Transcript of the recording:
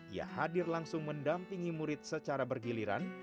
ia hadir langsung mendampingi murid secara bergiliran